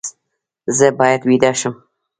زه باید ویده شم